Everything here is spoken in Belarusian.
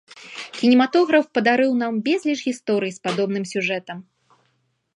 Кінематограф падарыў нам безліч гісторый з падобным сюжэтам.